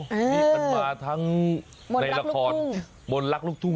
นี่มันมาทั้งในละครมนต์รักลูกทุ่ง